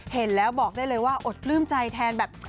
เห็นแล้วบอกได้เลยว่าอดปลื้มใจแทนแบบ